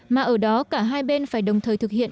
mà ở đó cả hai bên phải đồng thời thực hiện